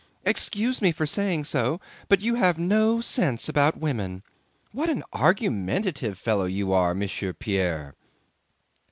Excuse me for saying so, but you have no sense about women. What an argumentative fellow you are, Monsieur Pierre!"